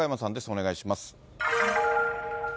お願いします。